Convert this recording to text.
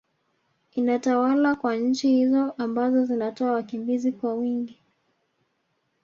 inatawala kwa nchi hizo ambazo zinatoa wakimbizi kwa wingi